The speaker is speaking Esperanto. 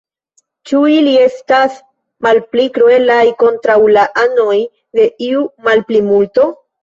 Ĉu ili estis malpli kruelaj kontraŭ la anoj de iu malplimulto?